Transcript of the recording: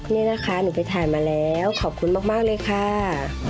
นี่นะคะหนูไปถ่ายมาแล้วขอบคุณมากเลยค่ะ